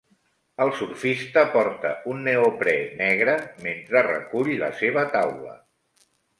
El surfista porta un neoprè negre mentre recull la seva taula.